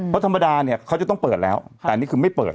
เพราะธรรมดาเนี่ยเขาจะต้องเปิดแล้วแต่อันนี้คือไม่เปิด